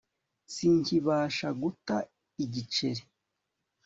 Sinkibasha guta igiceri